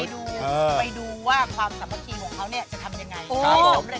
ไปดูไปดูว่าความสรรพทีของเขาเนี่ยจะทำอย่างไร